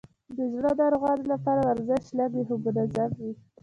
د زړه ناروغانو لپاره ورزش لږ وي، خو منظم وي.